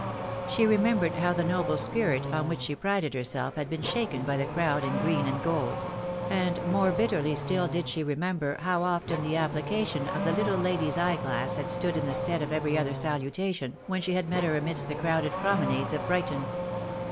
She remembered how the noble spirit on which she prided herself had been shaken by the crowd in green and gold ; and more bitterly still did she remember how often the application of the httle lady's eye glass had stood in the stead of every other salutation, when she had met her amidst the crowded promenades of Brighton.